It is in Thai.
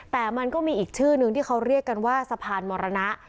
แต่มันก็มีอีกชื่อนึงที่เขาเรียกกันว่าสะพานมรณะ